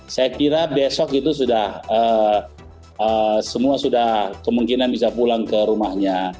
saya kira besok itu sudah semua sudah kemungkinan bisa pulang ke rumahnya